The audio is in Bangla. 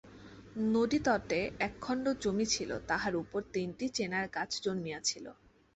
নদীতটে একখণ্ড জমি ছিল, তাহার উপর তিনটি চেনার গাছ জন্মিয়াছিল।